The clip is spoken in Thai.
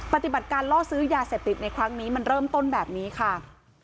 ปฏิบัติการล่อซื้อยาเสพติดในครั้งนี้มันเริ่มต้นแบบนี้ค่ะ